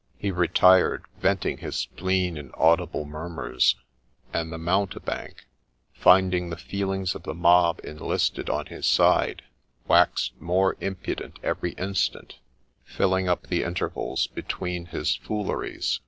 He retired, venting his spleen in audible murmurs ; and the mountebank, finding the feelings of the mob enlisted on his side, waxed more impudent every instant, filling up the intervals between his fooleries with 80 MRS.